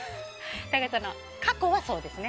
過去はそうですね。